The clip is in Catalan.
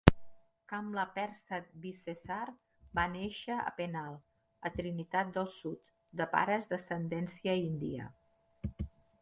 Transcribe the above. Kamla Persad-Bissessar va néixer a Penal, a Trinitat del Sud, de pares d'ascendència índia.